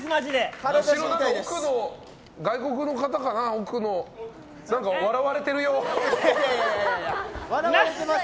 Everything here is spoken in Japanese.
奥の外国の方かな笑われているような。